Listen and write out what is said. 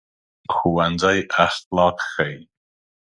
ښوونځی اخلاق ښيي